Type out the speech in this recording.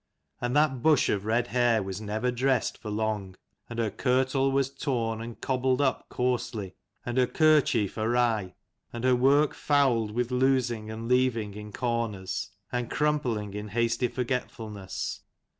And that bush of red hair was never dressed for long ; and her kirtle was torn, and cobbled up coarsely ; and her kerchief awry ; and her work fouled with losing, and leaving in corners, and crumpling in hasty forgetfulness.